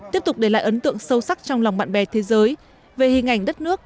tiếp tục để lại ấn tượng sâu sắc trong lòng bạn bè thế giới về hình ảnh đất nước